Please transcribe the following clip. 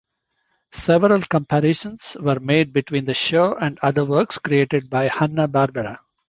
Several comparisons were made between the show and other works created by Hanna-Barbera.